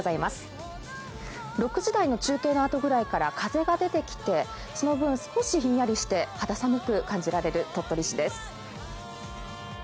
６時代の中継のあとぐらいから風が出てきてその分少しひんやりして肌寒く感じられる鳥取市です。